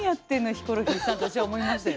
ヒコロヒーさん」って私は思いましたよ。